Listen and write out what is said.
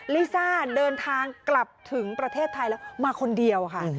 ลิซ่าเดินทางกลับถึงประเทศไทยแล้วมาคนเดียวค่ะ